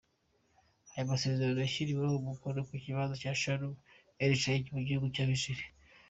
Ayo masezerano yashiriweko umuko mu kibanza ca Sharm el Sheikh mu gihugu ca Misiri.